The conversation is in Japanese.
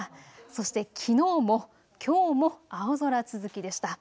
そして、きのうもきょうも青空続きでした。